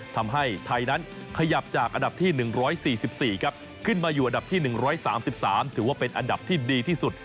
ทำให้ไทยนั้นขยับจากอันดับที่๑๔๔ขึ้นมาอยู่อันดับที่๑๓๓ถือว่าเป็นอันดับที่ดีที่สุด